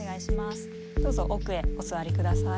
どうぞ奥へお座り下さい。